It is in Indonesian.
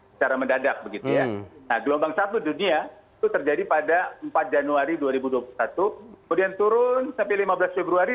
secara mendadak begitu ya nah gelombang satu dunia itu terjadi pada empat januari dua ribu dua puluh satu kemudian turun sampai lima belas februari